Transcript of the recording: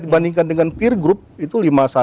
dibandingkan dengan peer group itu lima puluh satu